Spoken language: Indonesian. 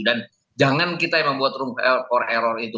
dan jangan kita yang membuat room for error itu